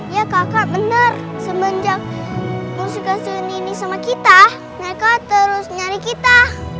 iya kakak bener semenjak musika sunini sama kita mereka terus nyari kita